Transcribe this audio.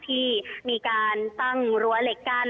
ที่มีการตั้งรั้วเหล็กกั้น